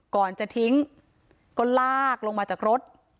ก่อนจะทิ้งก็ลากลงมาจากรถ